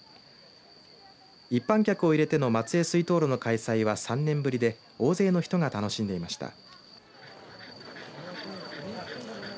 一般客を入れての松江水燈路の開催は３年ぶりで大勢の人が楽しんでいました。